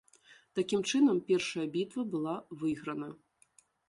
Такім чынам, першая бітва была выйграна.